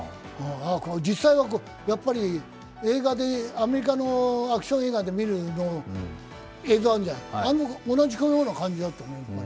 実際はやっぱり映画でアメリカのアクション映画で見る映像あるじゃん、あれと同じような感じだったね、やっぱり。